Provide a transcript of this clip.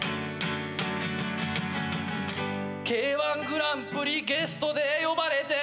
「Ｋ−１グランプリゲストで呼ばれて」